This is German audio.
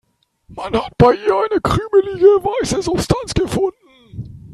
Man hat bei ihr eine krümelige, weiße Substanz gefunden.